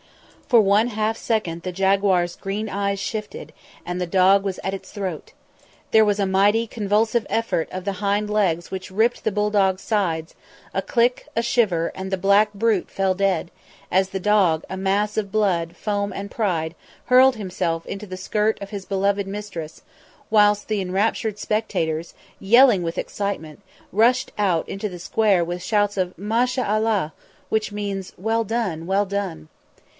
For one half second the jaguar's green eyes shifted, and the dog was at its throat. There was a mighty, convulsive effort of the hind legs which ripped the bulldog's sides, a click, a shiver, and the black brute fell dead, as the dog, a mass of blood, foam and pride, hurled himself onto the skirt of his beloved mistress, whilst the enraptured spectators, yelling with excitement, rushed out into the square with shouts of "Ma sha Allah," which means, "Well done, well done!"